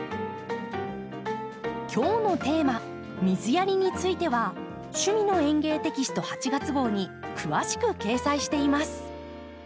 今日のテーマ「水やり」については「趣味の園芸」テキスト８月号に詳しく掲載しています。